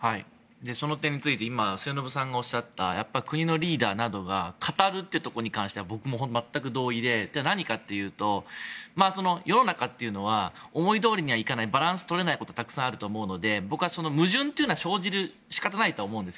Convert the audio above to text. その点について末延さんがおっしゃった国のリーダーなどが語るというところに関しては僕も全く同意で何かというと世の中というのは思いどおりにはいかないバランス取れないことってたくさんあると思うので僕は矛盾というのは生じる仕方ないと思うんです。